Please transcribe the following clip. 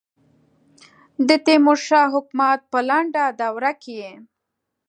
د تیمور شاه حکومت په لنډه دوره کې.